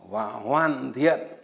và hoàn thiện